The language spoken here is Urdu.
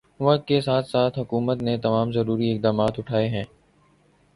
وقت کے ساتھ ساتھ حکومت نے تمام ضروری اقدامات اٹھائے ہیں او